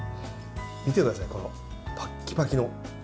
見てください、パッキパキの。